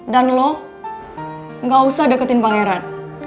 dan lo gak usah deketin pangeran